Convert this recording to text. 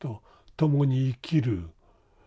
共に生きる。